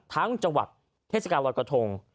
ทั้งจังหวัดเทศกาลวัดกระทง